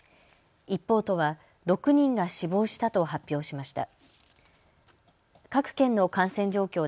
一方、都は６人が死亡したと発表しました。